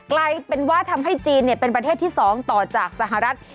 กลายเป็นว่าทำให้จีนเป็นประเทศที่๒ต่อจากสหรัฐ